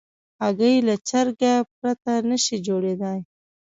هګۍ له چرګه پرته نشي جوړېدای.